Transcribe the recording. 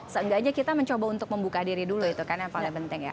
seenggaknya kita mencoba untuk membuka diri dulu itu kan yang paling penting ya